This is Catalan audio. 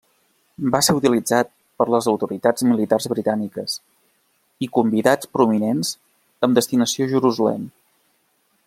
Va ser utilitzat per les autoritats militars britàniques i convidats prominents amb destinació a Jerusalem.